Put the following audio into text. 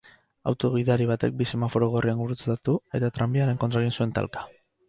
Auto gidari batek bi semaforo gorrian gurutzatu eta tranbiaren kontra egin zuen talka.